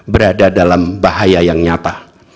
berada dalam bahaya yang nyata